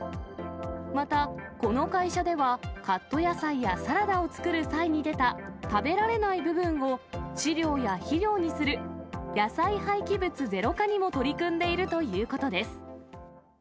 また、この会社ではカット野菜やサラダを作る際に出た食べられない部分を、飼料や肥料にする、野菜廃棄物ゼロ化にも取り組んでいるということです。